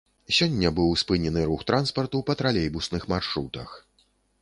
Сёння быў спынены рух транспарту па тралейбусных маршрутах.